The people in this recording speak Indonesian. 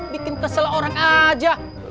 bikin kesel orang aja